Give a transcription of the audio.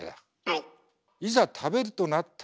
いざ食べるとなったら。